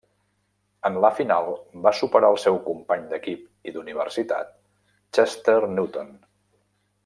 En la final va superar al seu company d'equip i d'universitat Chester Newton.